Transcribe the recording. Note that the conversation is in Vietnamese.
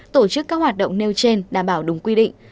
tổ chức các hoạt động nêu trên đảm bảo đúng quy định